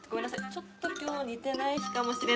ちょっと今日似てない日かもしれないです。